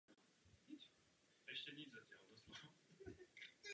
Pod skalami se nachází keřové části.